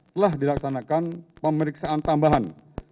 telah dilaksanakan pemeriksaan tambahan